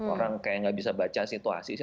orang kayak nggak bisa baca situasi sih